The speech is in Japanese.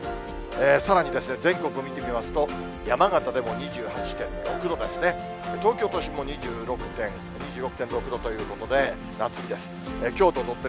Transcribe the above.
さらに全国を見てみますと、山形でも２８．６度ですね、東京都心も２６．６度ということで、夏日です。